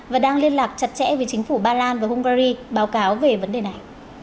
và đang liên lạc chặt chẽ với chính phủ ba lan và hungary báo cáo về vấn đề này